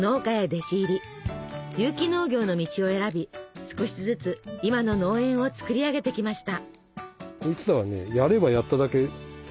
有機農業の道を選び少しずつ今の農園をつくり上げてきました。